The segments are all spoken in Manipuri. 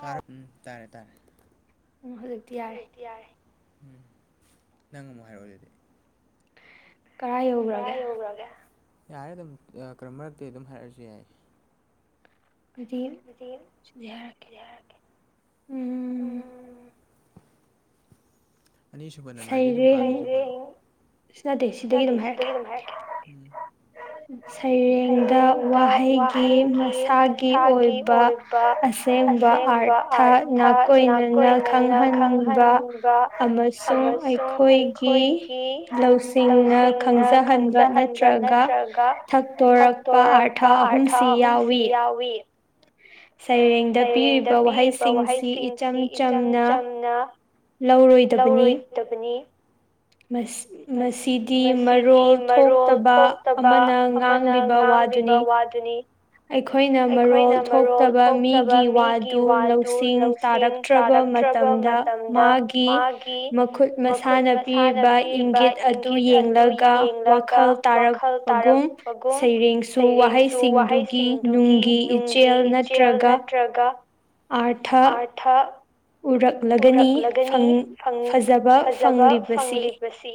ꯇꯥꯔꯝ ꯇꯥꯔꯦ ꯇꯥꯔꯦ ꯍꯧꯖꯤꯛꯇꯤ ꯌꯥꯔꯦ ꯎꯝ ꯅꯪ ꯑꯃꯨꯛ ꯍꯥꯏꯔꯛꯑꯣ ꯑꯗꯨꯗꯤ ꯀꯔꯥꯏ ꯌꯥꯎꯒ꯭ꯔꯒꯦ ꯌꯥꯔꯦ ꯑꯗꯨꯝ ꯑꯥ ꯀꯔꯝ ꯃꯔꯛꯇꯩ ꯑꯗꯨꯝ ꯍꯥꯏꯔꯛꯑꯖꯨ ꯌꯥꯏ ꯑꯗꯨꯗꯤ ꯁꯤꯗꯩ ꯍꯥꯏꯔꯛꯀꯦ ꯎꯝ ꯑꯅꯤꯁꯨꯕ ꯅꯃꯥꯏꯗꯩ ꯑꯗꯨꯝ ꯄꯥꯒꯦ ꯄꯥꯔꯛꯑꯣ ꯁꯤꯅꯠꯗꯦꯁꯤ ꯅꯠꯇꯦ ꯁꯤꯗꯒꯤ ꯑꯗꯨꯝ ꯍꯥꯏꯔꯛꯀꯦ ꯍꯌꯦꯡꯗ ꯋꯥꯍꯩꯒꯤ ꯃꯁꯥꯒꯤ ꯑꯣꯏ ꯕ ꯑꯁꯦꯡꯕ ꯑꯥꯔꯊ ꯅꯥꯀꯣꯏꯅꯅ ꯈꯪꯍꯟ__ ꯕ ꯑꯃꯁꯨꯡ ꯑꯩꯈꯣꯏꯒꯤ ꯂꯧꯁꯤꯡꯅ ꯈꯪꯖꯍꯟꯕ ꯅꯠꯇ꯭ꯔ ꯊꯛꯇꯣꯔꯛꯄ ꯑꯥꯔꯊ ꯑꯍꯨꯝꯁꯤ ꯌꯥꯎꯏ ꯁꯩꯔꯦꯡꯗ ꯄꯤꯔꯤꯕ ꯋꯥꯍꯩꯁꯤꯡꯁꯤ ꯏꯆꯝ ꯆꯝꯅ ꯂꯧꯔꯣꯏꯗꯕꯅꯤ ꯃꯁ__ ꯃꯁꯤꯗꯤ ꯃꯔꯣꯜ ꯊꯣꯛꯇꯕ ꯑꯃꯅ ꯉꯥꯡꯂꯤꯕ ꯋꯥꯗꯨꯅꯤ ꯑꯗꯨꯅꯤ ꯑꯩꯈꯣꯏꯅ ꯃꯔꯣꯜ ꯊꯣꯛꯇꯕ ꯃꯤꯒꯤ ꯋꯥꯗꯨ ꯂꯧꯁꯤꯡ ꯇꯥꯔꯛꯇ꯭ꯔꯕ ꯃꯇꯝꯗ ꯃꯥꯒꯤ ꯃꯈꯨꯠ ꯃꯁꯥꯅ ꯄꯤꯔꯤꯕ ꯏꯪꯒꯤꯠ ꯑꯗꯨ ꯌꯦꯡꯂꯒ ꯋꯥꯈꯜ ꯇꯥꯔꯛꯄꯒꯨꯝ ꯁꯩꯔꯦꯡꯁꯨ ꯋꯥꯍꯩꯁꯤꯡꯗꯨꯒꯤ ꯅꯨꯡꯒꯤ ꯏꯆꯦꯜ ꯅꯠꯇ꯭ꯔꯒ ꯑꯥꯔ꯭ꯠ ꯑꯥꯔꯊꯥ ꯎꯔꯛꯂꯒꯅꯤ ꯐꯪ ꯐꯖꯕ ꯐꯪꯂꯤꯕꯁꯤ ꯃꯁꯤ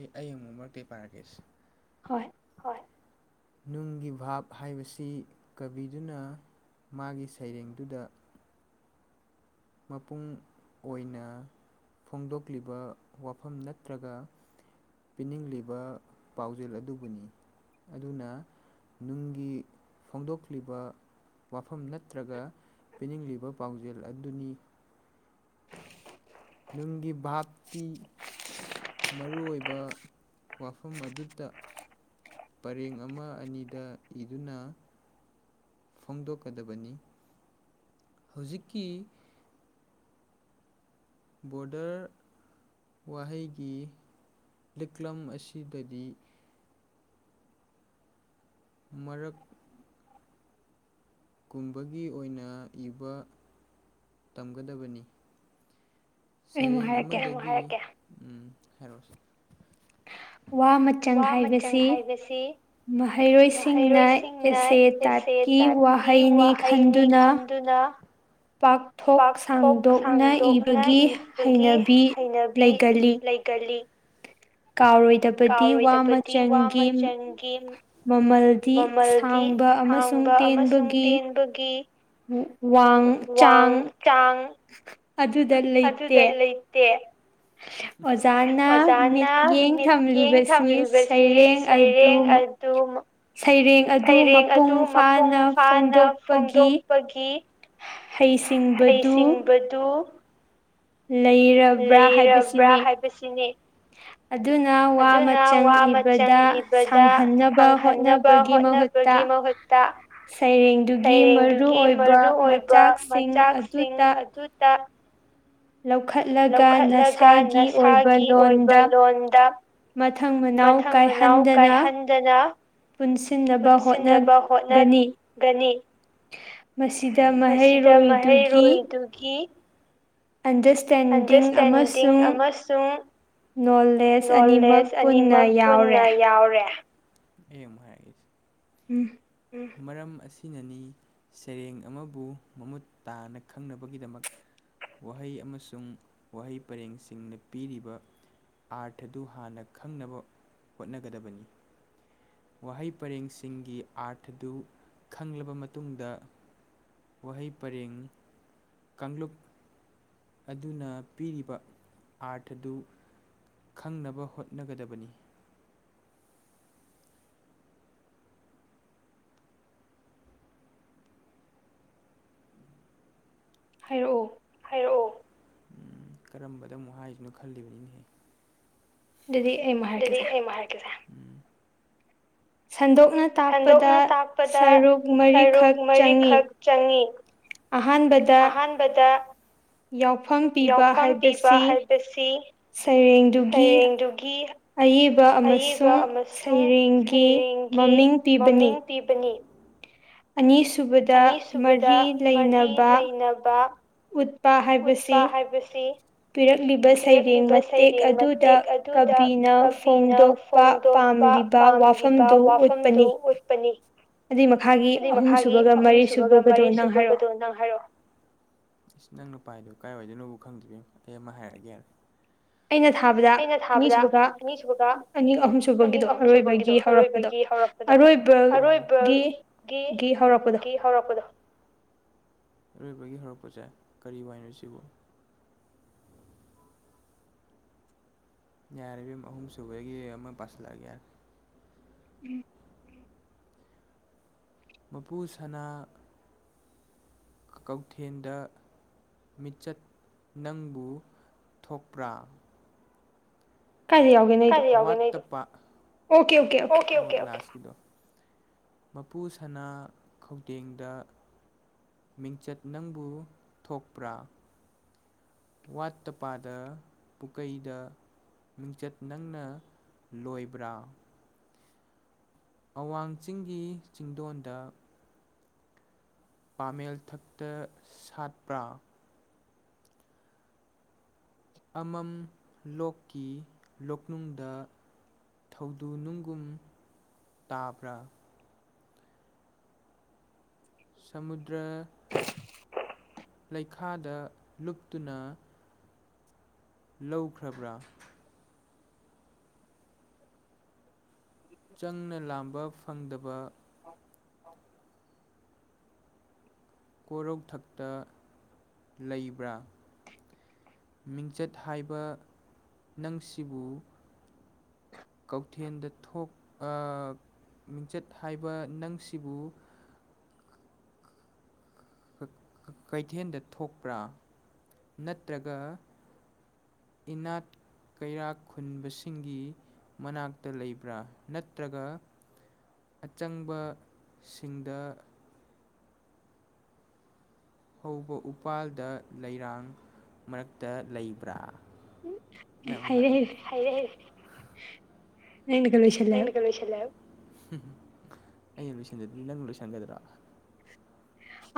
ꯑꯦ ꯑꯩ ꯑꯃꯨꯛ ꯃꯔꯛꯇꯩ ꯄꯥꯔꯛꯀꯦꯁ__ ꯍꯣꯏ ꯍꯣꯏ ꯅꯨꯡꯒꯤ ꯚꯥꯞ ꯍꯥꯏꯕꯁꯤ ꯀꯕꯤꯗꯨꯅ ꯃꯥꯒꯤ ꯁꯩꯔꯦꯡꯗꯨꯗ ꯃꯄꯨꯡ ꯑꯣꯏꯅ ꯐꯣꯡꯗꯣꯛꯂꯤꯕ ꯋꯥꯐꯝ ꯅꯠꯇ꯭ꯔꯒ ꯄꯤꯅꯤꯡꯂꯤꯕ ꯄꯥꯎꯖꯦꯜ ꯑꯗꯨꯕꯨꯅꯤ ꯑꯗꯨꯅ ꯅꯨꯡꯒꯤ ꯐꯣꯡꯗꯣꯛꯂꯤꯕ ꯋꯥꯐꯝ ꯅꯠꯇ꯭ꯔꯒ ꯄꯤꯅꯤꯡꯂꯤꯕ ꯄꯥꯎꯖꯦꯜ ꯑꯗꯨꯅꯤ ꯅꯨꯡꯒꯤ ꯚꯥꯞꯇꯤ ꯃꯔꯨ ꯑꯣꯏꯕ ꯋꯥꯐꯝ ꯑꯗꯨꯇ ꯄꯔꯦꯡ ꯑꯃ ꯑꯅꯤꯗ ꯏꯗꯨꯅ ꯐꯣꯡꯗꯣꯛꯀꯗꯕꯅꯤ ꯍꯧꯖꯤꯛꯀꯤ ꯕꯣꯔꯗꯔ ꯋꯥꯍꯩꯒꯤ ꯂꯤꯛꯂꯝ ꯑꯁꯤꯗꯗꯤ ꯃꯔꯛ ꯀꯨꯝꯕꯒꯤ ꯑꯣꯏꯅ ꯏꯕ ꯇꯝꯒꯗꯕꯅꯤ ꯁꯩꯔꯦꯡ ꯑꯃꯗꯒꯤ ꯑꯩ ꯑꯃꯨꯛ ꯍꯥꯏꯔꯛꯀꯦ ꯎꯝ ꯍꯥꯏꯔꯣꯁꯦ ꯋꯥ ꯃꯆꯪ ꯍꯥꯏꯕꯁꯤ ꯃꯍꯩꯔꯣꯏꯁꯤꯡꯅ ꯑꯦꯁꯦ ꯇꯥꯏꯞꯀꯤ ꯋꯥꯍꯩꯅꯤ ꯈꯟ ꯗꯨꯅ ꯄꯥꯛꯊꯣꯛ ꯁꯥꯡꯗꯣꯛꯅ ꯏꯕꯒꯤ ꯍꯩꯅꯕꯤ ꯂꯩꯒꯜꯂꯤ ꯀꯜꯂꯤ ꯀꯥꯎꯔꯣꯏꯗꯕꯗꯤ ꯋꯥ ꯃꯆꯪꯒꯤ ꯃꯃꯜꯗꯤ ꯁꯥꯡꯕ ꯑꯃꯁꯨꯡ ꯇꯦꯟꯕꯒꯤ ꯋꯥꯡ ꯆꯥꯡ ꯑꯗꯨꯗ ꯂꯩꯇꯦ ꯑꯣꯖꯥꯅ ꯃꯤꯠꯌꯦꯡ ꯊꯝꯂꯤꯕꯁꯤꯅꯤ ꯁꯩꯔꯦꯡ ꯑꯥ ꯇꯧꯃꯥ ꯁꯩꯔꯦꯡ ꯑꯗꯨ ꯃꯄꯨꯡ ꯐꯥꯅ ꯐꯣꯡꯗꯣꯛꯄꯒꯤ ꯍꯩꯁꯤꯡ ꯍꯩꯁꯤꯡꯕꯗꯨ ꯂꯩꯔꯕ꯭ꯔꯥ ꯍꯥꯏꯕꯁꯤꯅꯦ ꯑꯗꯨꯅ ꯋꯥ ꯃꯆꯪ ꯏꯕꯗ ꯁꯥꯡꯍꯟꯅꯕ ꯍꯣꯠꯅꯕ ꯕꯒꯤ ꯃꯍꯨꯠꯇ ꯁꯩꯔꯦꯡꯗꯨꯒꯤ ꯃꯔꯨ ꯑꯣꯏꯕ ꯃꯆꯥꯛꯁꯤꯡ ꯑꯗꯨꯗ ꯂꯧꯈꯠꯂꯒ ꯅꯁꯥꯒꯤ ꯑꯣꯏꯕ ꯂꯣꯟꯗ ꯃꯊꯪ ꯃꯅꯥꯎ ꯀꯥꯏꯍꯟꯗꯅ ꯄꯨꯟꯁꯤꯟꯅꯕ ꯍꯣꯠꯅꯒꯅꯤ ꯃꯁꯤꯗ ꯃꯍꯩꯔꯣꯏꯗꯨꯒꯤ ꯑꯥꯟꯗꯔꯁ꯭ꯇꯦꯟꯗꯤꯡ ꯑꯃꯁꯨꯡ ꯅꯣꯂ ꯅꯣꯂꯦꯖ ꯑꯅꯤꯃꯛ ꯄꯨꯟꯅ ꯌꯥꯎꯔꯦ [unintelligible] ꯃꯔꯝ ꯑꯁꯤꯅꯅꯤ ꯁꯩꯔꯦꯡ ꯑꯃꯕꯨ ꯃꯃꯨꯠ ꯇꯥꯅ ꯈꯪꯅꯕꯒꯤꯗꯃꯛ ꯋꯥꯍꯩ ꯑꯃꯁꯨꯡ ꯋꯥꯍꯩ ꯄꯔꯦꯡꯁꯤꯡꯅ ꯄꯤꯔꯤꯕ ꯑꯥꯔꯊꯗꯨ ꯍꯥꯟꯅ ꯈꯪꯅꯕ ꯍꯣꯠꯅꯒꯗꯕꯅꯤ ꯋꯥꯍꯩ ꯄꯔꯦꯡꯁꯤꯡꯒꯤ ꯑꯥꯔꯊꯗꯨ ꯈꯪꯂꯕ ꯃꯇꯨꯡꯗ ꯋꯥꯍꯩꯄꯔꯦꯡ ꯀꯥꯡꯂꯨꯞ ꯑꯗꯨꯅ ꯄꯤꯔꯤꯕ ꯑꯥꯔꯊ ꯑꯗꯨ ꯈꯪꯅꯕ ꯍꯣꯠꯅꯒꯗꯕꯅꯤ ꯍꯥꯏꯔꯛꯑꯣ ꯍꯥꯏꯔꯛꯑꯣ ꯎꯝ ꯀꯔꯝꯕꯗ ꯑꯃꯨꯛ ꯍꯥꯏꯁꯤꯅꯣ ꯈꯜꯂꯤꯕꯅꯤꯅꯦꯍꯦ ꯑꯗꯨꯗꯤ ꯑꯩ ꯑꯃꯨꯛ ꯍꯥꯏꯔꯛꯀꯦꯁꯦ ꯃꯨꯛ ꯍꯥꯏꯔꯛꯀꯦꯁꯦ ꯁꯟꯗꯣꯛꯅ ꯇꯥꯛꯄꯗ ꯁꯔꯨꯛ ꯃꯔꯤꯈꯛ ꯆꯪꯉꯤ ꯑꯍꯥꯟꯕꯥꯟꯕꯗ ꯕꯗ ꯌꯥꯎꯐꯝ ꯄꯤꯕ ꯍꯥꯏꯕꯁꯤ ꯁꯩꯔꯦꯡꯗꯨꯒꯤ ꯑꯏꯕ ꯑꯃꯁꯨꯡ ꯁꯩꯔꯦꯡꯒꯤ ꯃꯃꯤꯡ ꯄꯤꯕꯅꯤ ꯑꯅꯤꯁꯨꯕꯗ ꯃꯔꯤ ꯂꯩꯅꯕ ꯅꯕ ꯎꯠꯄ ꯍꯥꯏꯕꯁꯤ ꯍꯥꯏꯕꯁꯤ ꯄꯤꯔꯛꯂꯤꯕ ꯁꯩꯔꯦꯡ ꯃꯇꯦꯛ ꯑꯗꯨꯗ ꯀꯕꯤꯅ ꯐꯣꯡꯗꯣꯛ ꯄꯥ ꯄꯥꯝꯂꯤꯕ ꯋꯥꯐꯝꯗꯨ ꯎꯠꯄꯅꯤ ꯑꯗꯨꯏ ꯃꯈꯥꯒꯤ ꯑꯗꯨꯏ ꯃꯈꯥꯒꯤ ꯑꯍꯨꯝꯁꯨꯨꯕꯒ ꯃꯔꯤꯁꯨꯨꯕꯒꯗꯣ ꯅꯪ ꯍꯥꯏꯔꯛꯑꯣ ꯏꯁꯅꯪ ꯅꯨꯄꯥꯥꯏꯗꯨ ꯀꯥꯏ ꯋꯥꯏꯗꯩꯅꯣꯕꯨ ꯈꯪꯗꯦꯍꯦ ꯑꯩ ꯑꯃ ꯍꯥꯏꯔꯛꯑꯒꯦ ꯑꯩꯅ ꯊꯥꯕꯗ ꯑꯅꯤꯁꯨꯕꯒ ꯑꯅꯤ ꯑꯍꯨꯝꯁꯨꯨꯕꯒꯤꯗꯣ ꯑꯔꯣꯏꯕꯒꯤ ꯍꯧꯔꯛꯄꯗꯣ ꯑꯔꯣꯏꯕ ꯒꯤ ꯒꯤ ꯍꯧꯔꯛꯄꯗꯣ ꯍꯧꯔꯛꯄꯗꯣ ꯑꯔꯣꯏꯕꯒꯤ ꯍꯧꯔꯛꯄꯖꯦ ꯀꯔꯤ ꯋꯥꯏꯅꯣ ꯁꯤꯕꯨ ꯌꯥꯔꯦ ꯏꯕꯦꯝꯃ ꯑꯍꯨꯝꯁꯨꯨꯕꯗꯒꯤ ꯑꯃ ꯄꯁꯤꯜꯂꯛꯑꯒꯦ ꯌꯥꯔꯦ INAUDIBLE ꯃꯄꯨ ꯁꯅꯥ ꯀꯧꯊꯦꯜꯗ ꯃꯤꯆꯠ ꯅꯪꯕꯨ ꯊꯣꯛꯄ꯭ꯔꯥ ꯀꯥꯏꯗ ꯌꯥꯎꯏ UNINTELLIGIBLE ꯃꯄꯨ ꯁꯅꯥ ꯈꯧꯇꯦꯡꯗ ꯃꯤꯡꯆꯠ ꯅꯪꯕꯨ ꯊꯣꯛꯄ꯭ꯔꯥ ꯋꯥꯠꯇ- ꯄꯥꯗꯑ ꯄꯨꯀꯩꯗ ꯃꯤꯡꯆꯠ ꯅꯪꯅ ꯂꯣꯏꯕ꯭ꯔꯥ ꯑꯋꯥꯡ ꯆꯤꯡꯒꯤ ꯆꯤꯡꯗꯣꯟꯗ ꯄꯥꯃꯦꯜ ꯊꯛꯇ ꯁꯥꯠꯄ꯭ꯔꯥ ꯑꯃꯝ ꯂꯣꯛꯀꯤ ꯂꯣꯛꯅꯨꯡꯗ ꯊꯧꯗꯨ ꯅꯨꯡꯒꯨꯝ ꯇꯥꯕ꯭ꯔꯥ ꯁꯃꯨꯗ꯭ꯔ ꯂꯩꯈꯥꯗ ꯂꯨꯞꯇꯨꯅ ꯂꯧꯈ꯭ꯔꯕ꯭ꯔꯥ ꯆꯪꯅ ꯂꯥꯝꯕ ꯐꯪꯗꯕ INAUDIBLE ꯀꯣꯔꯧꯊꯛꯇ ꯂꯩꯕ꯭ꯔꯥ ꯃꯤꯡꯆꯠ ꯍꯥꯏꯕ ꯅꯪꯁꯤꯕꯨ ꯀꯧꯊꯦꯜꯗ ꯊꯣꯛ ꯑꯥ ꯃꯤꯡꯆꯠ ꯍꯥꯏꯕ ꯅꯪꯁꯤꯕꯨ ꯀꯩꯊꯦꯜꯗ ꯊꯣꯛꯄ꯭ꯔꯥ ꯅꯠꯇ꯭ꯔꯒ ꯏꯅꯥꯠ ꯀꯩꯔꯥꯛ ꯈꯨꯟꯕꯁꯤꯡꯒꯤ ꯃꯅꯥꯛꯇ ꯂꯩꯕ꯭ꯔꯥ ꯅꯠꯇ꯭ꯔꯒ ꯑꯆꯪꯕ ꯁꯤꯡꯗ ꯍꯧꯕ ꯎꯄꯥꯜꯗ ꯂꯩꯔꯥꯡ ꯃꯔꯛꯇ ꯂꯩꯕ꯭ꯔꯥ ꯅꯪ ꯑꯃꯨꯛ ꯍꯥꯏꯔꯣ ꯍꯩꯔꯦ ꯍꯩꯔꯦ ꯅꯪꯅꯒ ꯂꯣꯏꯁꯜ ꯑꯩꯅꯒ ꯂꯣꯏꯁꯤꯟꯂꯦꯕ ꯍꯨꯝꯍꯨꯝ ꯑꯩꯅ ꯁꯣꯏꯁꯟꯗ꯭ꯔꯥꯗꯤ ꯅꯪ ꯂꯣꯏꯁꯟꯒꯗ꯭ꯔꯥ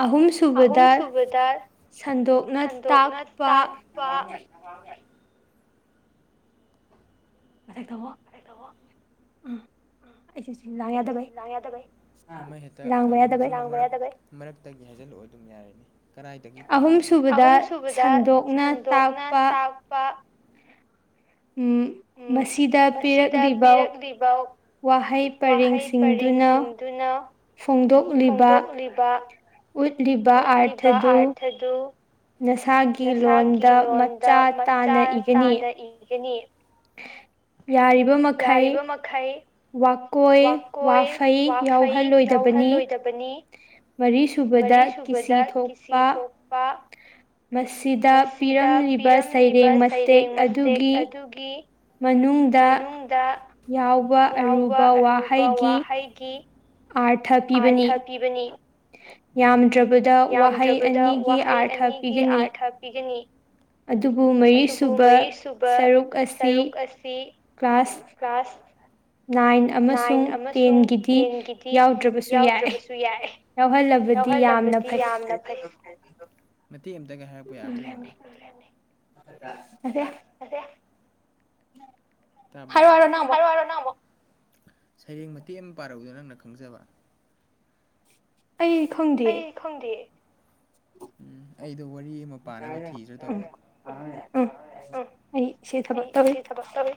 ꯑꯍꯨꯝ ꯁꯨꯕꯗ ꯁꯟꯗꯣꯛꯅ ꯇꯥꯛꯄ UNINTELLIGIBLE ꯑꯩ ꯇꯧꯋꯣ ꯎꯝ UNINTELLIGIBLE ꯃꯔꯛꯇꯒꯤ ꯍꯥꯏꯖꯜ ꯂꯛꯑꯣ ꯑꯗꯨꯝ ꯌꯥꯔꯅꯤ ꯀꯔꯥꯏꯗꯒꯤ ꯄꯥꯔꯤꯒꯦ ꯑꯍꯨꯝ ꯁꯨꯕꯗ ꯁꯟꯗꯣꯛꯅ ꯇꯥꯛꯄ ꯎꯝ ꯃꯁꯤꯗ ꯄꯤꯔꯛꯂꯤꯕ ꯋꯥꯍꯩ ꯄꯔꯦꯡꯁꯤꯡꯗꯨꯅ ꯐꯣꯡꯗꯣꯛꯂꯤꯕ ꯎꯠꯂꯤꯕ ꯑꯥꯔꯊꯗꯨ ꯑꯗꯨ ꯅꯥꯁꯥꯒꯤ ꯂꯣꯟꯗ ꯃꯆꯥ ꯇꯥꯅ ꯏꯒꯅꯤ ꯏꯒꯅꯤ ꯌꯥꯔꯤꯕ ꯃꯈꯩ ꯋꯥ ꯀꯣꯏ ꯋꯥꯐꯩ ꯌꯥꯎꯍꯜꯂꯣꯏꯗꯕꯅꯤ ꯃꯔꯤ ꯁꯨꯕꯗ ꯀꯤꯁꯤ ꯊꯣꯛꯄ ꯃꯁꯤꯗ ꯄꯤꯔꯝꯂꯤꯕ ꯁꯩꯔꯦꯡ ꯃꯇꯦꯛ ꯑꯗꯨꯒꯤ ꯃꯅꯨꯡꯗ ꯌꯥꯎꯕ ꯑꯔꯨꯕ ꯋꯥꯍꯩꯒꯤ ꯑꯩꯒꯤ ꯑꯥꯔꯊ ꯄꯤꯕꯅꯤ ꯌꯥꯝꯗ꯭ꯔꯥꯕꯗ ꯋꯥꯍꯩ ꯑꯅꯤꯒꯤ ꯑꯥꯔꯊ ꯄꯤꯒꯅꯤ ꯑꯗꯨꯕꯨ ꯃꯔꯤ ꯁꯨꯕ ꯁꯔꯨꯛ ꯑꯁꯤ ꯀ꯭ꯂꯥꯁ ꯅꯥꯏꯟ ꯑꯃꯁꯨꯡ ꯇꯦꯟꯒꯤꯗꯤ ꯌꯥꯎꯗ꯭ꯔꯕꯁꯨ ꯌꯥꯏ ꯌꯥꯎꯍꯜꯂꯕꯗꯤ ꯌꯥꯝꯅ ꯐꯩ ꯃꯇꯦꯛ ꯑꯃꯝꯇꯒ ꯍꯥꯏꯔꯛꯄ ꯌꯥꯕ꯭ꯔꯥ ꯌꯦꯡꯉꯨꯅꯥ ꯌꯥꯗꯦ ꯃꯦ ꯇꯥꯕ꯭ꯔꯣ ꯍꯥꯏꯔꯣꯛ ꯍꯥꯏꯔꯣꯛ ꯅꯪ ꯑꯃꯨꯛ ꯁꯩꯔꯦꯡ ꯃꯇꯦꯛ ꯑꯃ ꯄꯥꯔꯛꯎꯗꯅꯥ ꯅꯪꯅ ꯈꯪꯖꯕ ꯑꯩ ꯈꯪꯗꯦ ꯈꯪꯗꯦ ꯎꯝ ꯑꯩꯗꯣ ꯋꯥꯔꯤ ꯑꯃ ꯄꯥꯅꯕꯥ ꯊꯤꯔꯥ ꯇꯧꯅꯤ ꯎꯝ ꯑꯩ ꯁꯤ ꯊꯕꯛ ꯇꯧꯔꯤ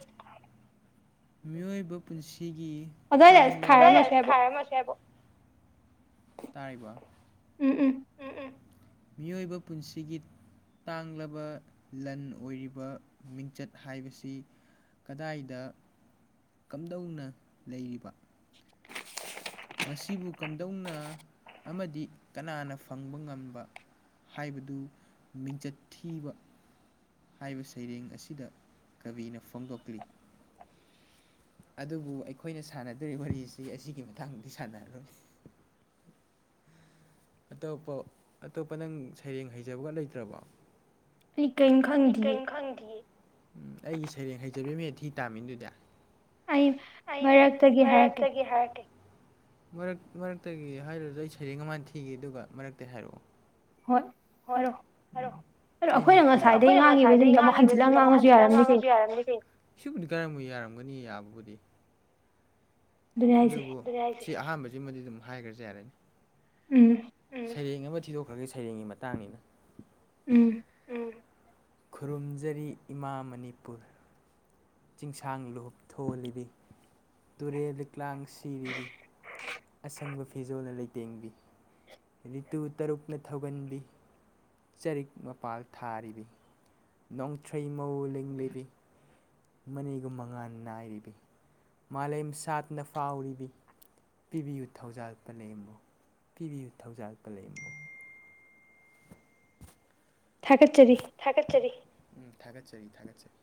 ꯃꯤꯑꯣꯏꯕ ꯄꯨꯟꯁꯤꯒꯤ ꯇꯥꯡꯂꯕ ꯑꯗꯨꯋꯥꯏꯗ ꯊꯔꯝꯃꯁꯨ ꯌꯥꯏ ꯕꯣꯛ ꯇꯥꯔꯤꯕ ꯎꯝ ꯎꯝ ꯃꯤꯑꯣꯏꯕ ꯄꯨꯟꯁꯤꯒꯤ ꯇꯥꯡꯂꯕ ꯂꯟ ꯑꯣꯏꯔꯤꯕ ꯃꯤꯡꯆꯠ ꯍꯥꯏꯕꯁꯤ ꯀꯗꯥꯏꯗ ꯀꯝꯗꯧꯅ ꯂꯩꯔꯤꯕ ꯃꯁꯤꯕꯨ ꯀꯝꯗꯧꯅ ꯑꯃꯗꯤ ꯀꯅꯥꯅ ꯐꯪꯕ ꯉꯝꯕ ꯍꯥꯏꯕꯗꯨ ꯃꯤꯡꯆꯠ ꯊꯤꯕ ꯍꯥꯏꯕ ꯁꯩꯔꯦꯡ ꯑꯁꯤꯗ ꯀꯕꯤꯅ ꯐꯣꯡꯗꯣꯛꯂꯤ ꯑꯗꯨꯕꯨ ꯑꯩꯈꯣꯏꯅ ꯁꯥꯟꯅꯗꯧꯔꯤꯕ ꯋꯥꯔꯤꯁꯤ ꯑꯁꯤꯒꯤ ꯃꯇꯥꯡꯗꯤ ꯁꯥꯟꯅꯔꯣꯏ ꯑꯇꯣꯞꯄ ꯑꯇꯣꯞꯄ ꯅꯪ ꯁꯩꯔꯦꯡ ꯍꯩꯖꯕꯒ ꯂꯩꯇ꯭ꯔꯥꯕꯣ ꯑꯩ ꯀꯏꯝ ꯈꯪꯗꯤꯌꯦ ꯈꯪꯗꯤꯌꯦ ꯎꯝ ꯑꯩꯒꯤ ꯁꯩꯔꯦꯡ ꯍꯩꯖꯕꯤ ꯑꯃ ꯍꯦꯛ ꯊꯤ ꯇꯥꯃꯅꯤ ꯑꯥꯗꯨꯗꯤ ꯑꯩ ꯑꯩ ꯃꯔꯛꯇꯥꯒꯤ ꯍꯥꯏꯔꯛꯀꯦ ꯃꯔꯛ ꯃꯔꯛꯇꯒꯤ ꯍꯥꯏꯗ꯭ꯔ꯭ꯁꯨ ꯑꯩ ꯁꯩꯔꯦꯡ ꯑꯃꯥ ꯍꯥꯟꯅꯥ ꯊꯤꯒꯦ ꯑꯗꯨꯒ ꯃꯔꯛꯇꯒꯤ ꯍꯥꯏꯔꯛꯑꯣ ꯍꯣꯏ ꯍꯣꯏ ꯍꯥꯏꯔꯛꯑꯣ ꯑꯩꯒꯤ ꯐꯤ ꯑꯩꯈꯣꯏꯅ ꯉꯁꯥꯏꯗꯩꯩ ꯉꯥꯡꯉꯤꯕꯁꯤꯡꯁꯦ ꯑꯃꯨꯛ ꯍꯟꯖꯤꯜꯂꯒ ꯉꯥꯡꯉꯁꯨ ꯌꯥꯔꯝꯅꯤ ꯀꯩꯅꯣ ꯁꯨꯕꯨꯗꯤ ꯀꯥꯏꯔꯝꯃꯣꯏ ꯌꯥꯔꯝꯒꯅꯤ ꯌꯥꯕꯕꯨꯗꯤ ꯑꯗꯨꯕꯨ ꯑꯥꯗꯨꯅꯦ ꯍꯥꯏꯁꯤ ꯁꯤ ꯑꯥꯍꯥꯟꯕꯁꯤꯃꯗꯤ ꯑꯗꯨꯝ ꯍꯥꯏꯈꯒ꯭ꯔꯁꯤ ꯌꯥꯔꯦꯅꯦ ꯎꯝ ꯁꯩꯔꯦꯡ ꯑꯃ ꯊꯤꯗꯣꯛꯈ꯭ꯔꯒꯦ ꯁꯩꯔꯦꯡꯒꯤ ꯃꯇꯥꯡꯅꯤꯅ ꯈꯨꯔꯨꯝꯖꯔꯤ ꯏꯃꯥ ꯃꯅꯤꯄꯨꯔ ꯆꯤꯡꯁꯥꯡ ꯂꯨꯍꯨꯞ ꯊꯣꯛꯍꯜꯂꯤꯕꯤ ꯇꯨꯔꯦꯜ ꯂꯤꯛꯂꯥꯡ ꯁꯤꯔꯤꯕꯤ ꯑꯁꯪꯕ ꯐꯤꯖꯣꯜꯅ ꯂꯩꯇꯦꯡꯕꯤ ꯔꯤꯇꯨ ꯇꯔꯨꯛꯅ ꯊꯧꯒꯟꯕꯤ ꯆꯔꯤꯛ ꯃꯄꯥꯜ ꯊꯥꯔꯤꯕ ꯅꯣꯡꯊ꯭ꯔꯩ ꯃꯧ ꯂꯤꯡꯂꯤꯕꯤ ꯃꯅꯤꯒꯨꯝ ꯃꯉꯥꯟ ꯅꯥꯏꯔꯤꯕꯤ ꯃꯥꯂꯦꯝ ꯁꯥꯠꯅ ꯐꯥꯎꯔꯤꯕꯤ ꯄꯤꯕꯤꯌꯨ ꯊꯧꯖꯥꯜ ꯄꯂ‌ꯦꯝꯑꯣ ꯄꯤꯕꯤꯌꯨ ꯊꯧꯖꯥꯜ ꯄꯂ‌ꯦꯝꯑꯣ ꯊꯥꯒꯠꯆꯔꯤ ꯊꯥꯒꯠꯆꯔꯤ ꯊꯥꯒꯠꯆꯔꯤ ꯊꯥꯒꯠꯆꯔꯤ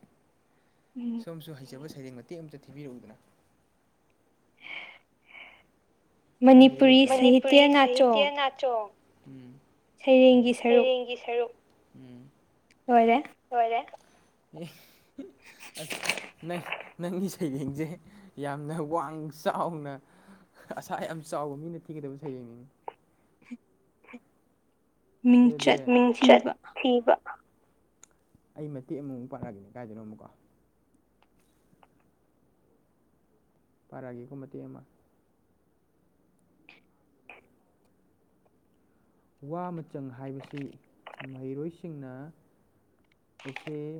ꯎꯝ ꯁꯣꯝꯁꯨ ꯍꯩꯖꯕ ꯁꯩꯔꯦꯡ ꯃꯇꯦꯛ ꯑꯃꯝꯇ ꯊꯤꯕꯤꯔꯛꯎꯗꯅ ꯁ‌ꯣꯝꯒꯤꯗꯤ ꯂꯩꯇꯔꯥꯕ‌ꯣ ꯃꯅꯤꯄꯨꯔꯤ ꯁꯥꯍꯤꯇꯌꯥ ꯅꯠꯇ꯭ꯔ‌ꯣ ꯎꯝ ꯁꯩꯔꯦꯡꯒꯤ ꯁꯔꯨꯛ ꯂ‌ꯣꯏꯔꯦ ꯂ‌ꯣꯏꯔ‌ꯦ ꯅꯪꯒꯤ ꯁꯩꯔꯦꯡꯖ‌ꯦ ꯌꯥꯝꯅ ꯋꯥꯡ ꯆꯥꯎꯅ ꯑꯁꯥ ꯌꯥꯝ ꯆꯥꯎꯕ ꯃꯤꯅ ꯊꯤꯒꯗꯕ ꯁꯩꯔꯦꯡꯅꯤꯅꯤ ꯃꯤꯡꯆꯠ ꯊꯤꯕ ꯑꯩ ꯃꯇꯦꯛ ꯑꯃꯨꯛꯃꯨꯛ ꯄꯥꯔꯛꯒꯦꯅꯦ ꯀꯥꯏꯗꯅꯣ ꯑꯃꯨꯛꯀꯣ ꯄꯥꯔꯥꯒ‌ꯦꯀ‌ꯣ ꯃꯇꯦꯛ ꯑꯃ ꯋꯥ ꯃꯆꯪ ꯍꯥꯏꯕꯁꯤ ꯃꯍꯩꯔꯣꯏꯁꯤꯡꯅ ꯑꯦꯁ‌ꯦ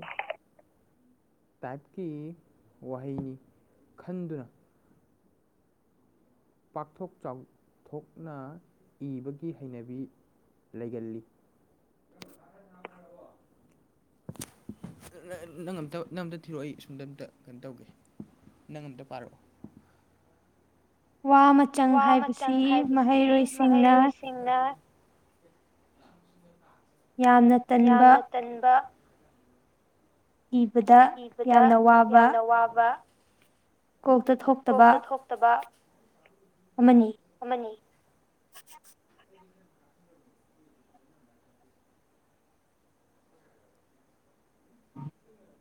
ꯇꯥꯏꯞꯀꯤ ꯋꯥꯍꯩꯅꯤ ꯈꯟꯗꯨꯅ ꯄꯥꯛꯊꯣꯛ ꯆꯥꯎꯊꯣꯛꯅ ꯏꯕꯒꯤ ꯍꯩꯅꯕꯤ ꯂꯩꯒꯜꯂꯤ ꯅꯪ ꯑꯝꯇ ꯅꯪ ꯑꯝꯇ ꯊꯤꯔꯛꯑꯣ ꯑꯩ ꯁꯣꯝꯗ ꯑꯝꯇ ꯀꯩꯅꯣ ꯇꯧꯒꯦ ꯅꯪ ꯑꯝꯇ ꯄꯥꯔꯛꯑꯣ ꯋꯥ ꯃꯆꯪ ꯍꯥꯏꯕꯁꯤ ꯃꯍꯩꯔꯣꯏꯁꯤꯡꯅ ꯁꯤꯡꯅ ꯌꯥꯝꯅ ꯇꯟꯕ ꯏꯕꯗ ꯌꯥꯝꯅ ꯋꯥꯕ ꯀꯣꯛꯇ ꯊꯣꯛ ꯀꯣꯛꯇ ꯊꯣꯛꯇꯕ ꯑꯃꯅꯤ ꯑꯃꯥꯅꯤ [inaudible]